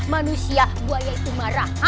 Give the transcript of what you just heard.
manusia bu aya itu marah